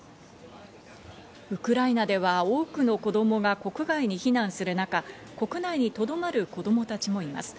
ウクライナでは多くの子供が国外に避難する中、国内にとどまる子供たちもいます。